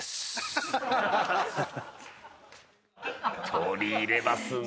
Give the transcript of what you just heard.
取り入れますね！